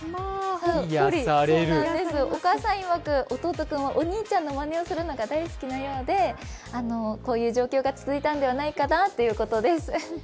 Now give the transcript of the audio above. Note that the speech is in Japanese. お母さんいわく、弟君はお兄ちゃんのまねをするのが大好きなようでこういう状況が続いたんじゃないかなということです。